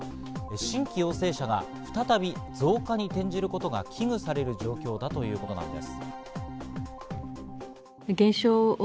新規陽性者が再び増加に転じることが危惧される状況だというものです。